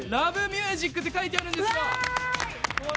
「ＬｏｖｅＭｕｓｉｃ」って書いてあるんですよ。